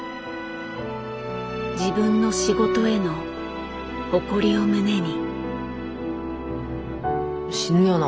自分の仕事への誇りを胸に。